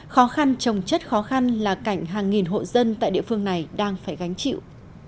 khó khăn trồng chất khó khăn là cảnh hàng nghìn hộ dân tại địa phương này đang phải gánh chịu